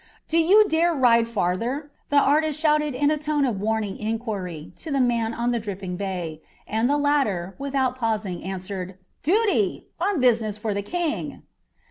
"Do you dare to ride farther?" the artist shouted in a tone of warning inquiry to the man on the dripping bay, and the latter, without pausing, answered: "Duty! On business for the King!"